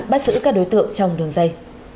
bắt xử các đối tượng trong đường dây